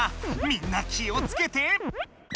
みんな気をつけて！